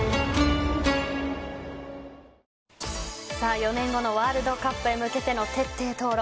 ４年後のワールドカップへ向けての徹底討論。